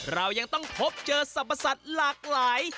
เรายังต้องพบเจอสับประสัดหลากหลาย